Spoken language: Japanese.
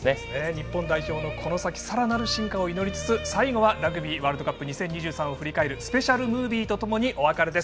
日本代表もこの先、さらなる進化を祈りつつ、最後はラグビーワールドカップ２０２３を振り返るスペシャルムービーとともにお別れです。